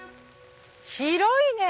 広いね！